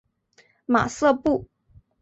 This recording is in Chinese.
马瑟布。